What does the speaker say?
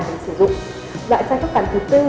để sử dụng loại sai khớp cắn thứ tư